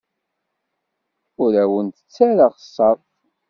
Ur awen-d-ttarraɣ ṣṣerf.